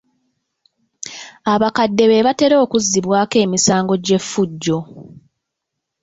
Abakadde be batera okuzzibwako emisango gy'effujjo.